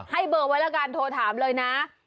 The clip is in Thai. เบอร์ไว้แล้วกันโทรถามเลยนะ